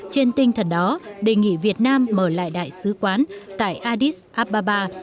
trên tinh thần đó đề nghị việt nam mở lại đại sứ quán tại addis ababa